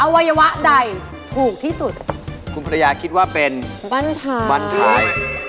วัยวะใดถูกที่สุดคุณภรรยาคิดว่าเป็นบ้านท้ายบ้านท้าย